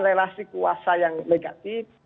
relasi kuasa yang negatif